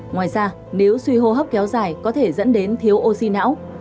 ngoài ra nếu suy hô hấp kéo dài có thể dẫn đến thiếu oxy não